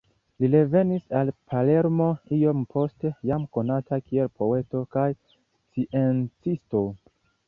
Li revenis al Palermo iom poste, jam konata kiel poeto kaj sciencisto.